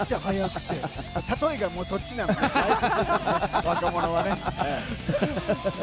例えがもうそっちなのね。